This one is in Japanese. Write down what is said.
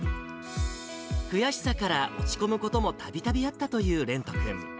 悔しさから落ち込むこともたびたびあったという蓮人君。